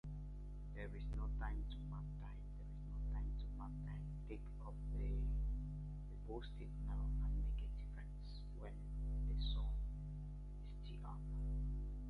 The name is analogous to Silicon Valley.